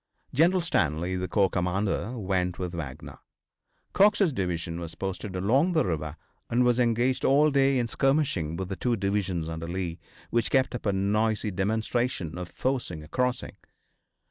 General Stanley, the corps commander, went with Wagner. Cox's division was posted along the river, and was engaged all day in skirmishing with the two divisions under Lee, which kept up a noisy demonstration of forcing a crossing.